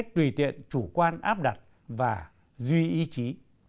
để hiện chủ quan áp đặt và duy ý chí